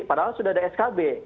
padahal sudah ada skb